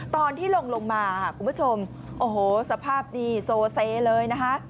ตอนที่ลงลงมาคุณผู้ชมโอ้โหสภาพดีโซเซเลยนะคะ